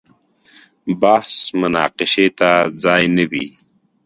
بحث مناقشې ځای نه وي.